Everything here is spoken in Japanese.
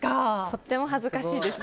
とても恥ずかしいです。